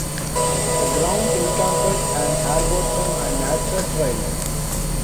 The grounds encompass an arboretum and nature trails.